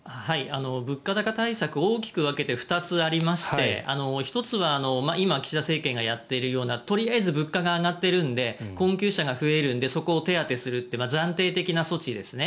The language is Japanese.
物価高対策大きく分けて２つありまして１つは今岸田政権がやっているようなとりあえず物価が上がっているので困窮者が増えるのでそこを手当てするという暫定的な措置ですね。